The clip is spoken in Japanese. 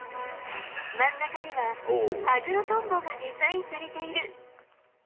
真ん中には、ハグロトンボがデザインされている。